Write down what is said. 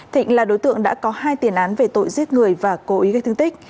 thịnh là đối tượng đã có hai tiền án về tội giết người và cố ý gây thương tích